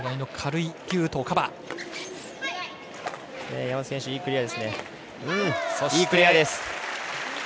いいクリアですね。